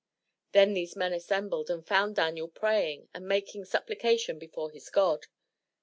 Then these men assembled, and found Daniel praying and making supplication before his God.